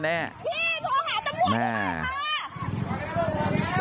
พี่โทหะตำรวจ